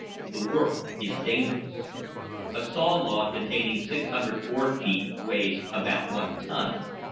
The work is dangerous. A saw log containing six hundred board feet weighs about one ton.